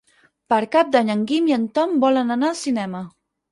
Per Cap d'Any en Guim i en Tom volen anar al cinema.